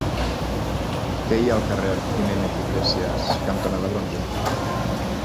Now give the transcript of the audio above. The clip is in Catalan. Què hi ha al carrer Jiménez i Iglesias cantonada Bronze?